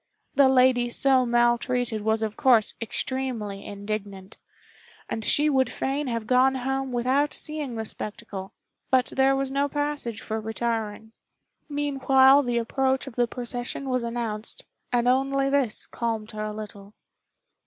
The lady so maltreated was of course extremely indignant, and she would fain have gone home without seeing the spectacle, but there was no passage for retiring. Meanwhile the approach of the procession was announced, and only this calmed her a little.